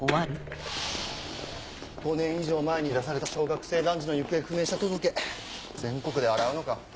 ５年以上前に出された小学生男児の行方不明者届全国で洗うのか。